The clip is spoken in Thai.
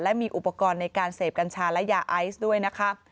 และมีอุปกรณ์ในการเสพกัญชาและยาไอซ์ด้วยนะคะ